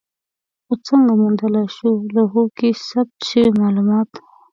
خو څنګه موندلای شو لوحو کې ثبت شوي مالومات؟